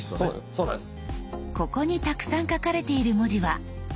そうなんです。